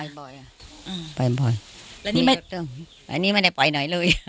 ออกไปบ่อยไปบ่อยไม่ได้ไปหน่อยเลย